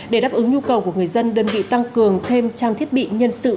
để đáp ứng nhu cầu của người dân đơn vị tăng cường thêm trang thiết bị nhân sự